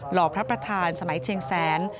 ห่อพระประธานสมัยเชียงแสน